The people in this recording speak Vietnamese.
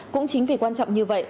cũng chính vì quan trọng như vậy